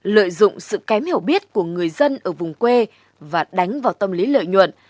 lợi dụng sự kém hiểu biết của người dân ở vùng quê và đánh vào tâm lý lợi nhuận